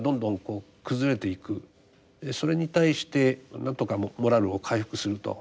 それに対して何とかモラルを回復すると。